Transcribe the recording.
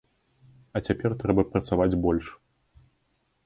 А цяпер трэба працаваць больш.